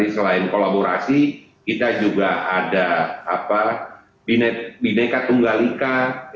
selain kolaborasi kita juga ada bineka tunggalika